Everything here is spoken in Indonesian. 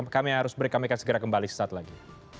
kami harus berikan segera kembali saat lagi